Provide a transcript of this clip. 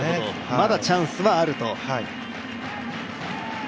まだチャンスはあると。